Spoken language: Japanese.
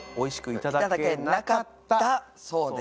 いただけなかったそうです。